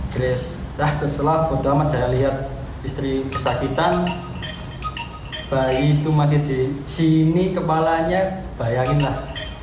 pada saat ini saya melihat istri kesakitan bayi itu masih di sini kepalanya bayanginlah